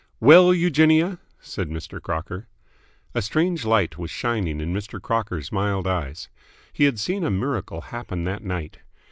"Well, Eugenia?" said Mr. Crocker. A strange light was shining in Mr. Crocker's mild eyes. He had seen a miracle happen that night.